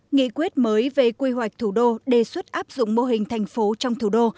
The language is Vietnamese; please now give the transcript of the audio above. nghị quyết mới về quy hoạch thủ đô đề xuất áp dụng mô hình thành phố trong thủ đô